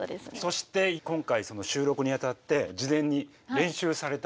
そして今回収録にあたって事前に練習されたことが。